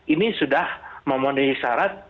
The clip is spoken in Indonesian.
ini sudah memenuhi syarat